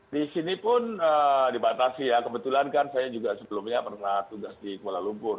di sini pun dibatasi ya kebetulan kan saya juga sebelumnya pernah tugas di kuala lumpur